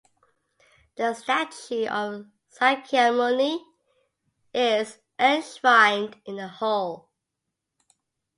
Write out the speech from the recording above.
The statue of Sakyamuni is enshrined in the hall.